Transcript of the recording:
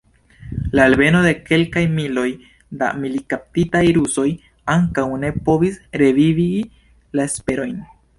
La alveno de kelkaj miloj da militkaptitaj rusoj ankaŭ ne povis revivigi la esperojn.